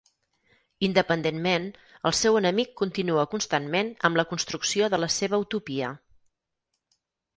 Independentment, el seu enemic continua constantment amb la construcció de la seva utopia.